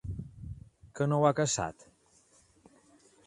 Que no ho ha caçat?